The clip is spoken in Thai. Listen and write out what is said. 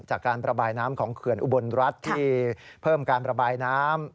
จากการประบายน้ำของเขื่อนอุบลรัฐที่เพิ่มการระบายน้ำ